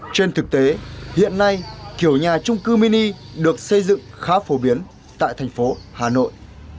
trên thực tế hiện nay kiểu nhà trung cư mini được xây dựng khá phổ biến tại thành phố hà nội